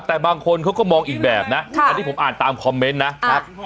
แต่บางคนเขาก็มองอีกแบบนะอันนี้ผมอ่านตามคอมเมนต์นะครับ